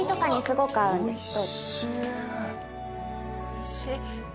おいしい。